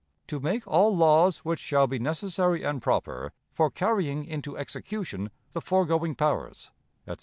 To make all laws which shall be necessary and proper for carrying into execution the foregoing powers,' etc.